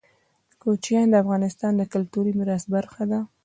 کوچیان د افغانستان د کلتوري میراث برخه ده.